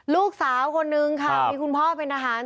ลูกสาวคนนึงค่ะมีคุณพ่อเป็นทหาร